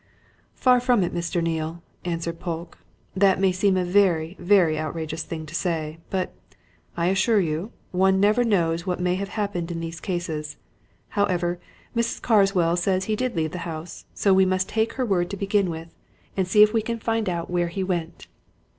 "Far from it, Mr. Neale," answered Polke. "That may seem a very, very outrageous thing to say, but, I assure you, one never knows what may not have happened in these cases. However, Mrs. Carswell says he did leave the house, so we must take her word to begin with, and see if we can find out where he went.